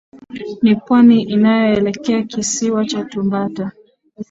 Ni pwani inayoelekea kisiwa cha Tumbata